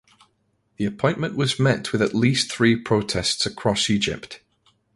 The appointment was met with at least three protests across Egypt.